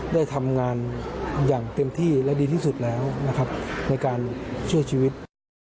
ได้ทำงานอย่างเต็มที่และดีที่สุดแล้วนะครับในการช่วยชีวิต